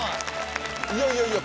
いやいやいや。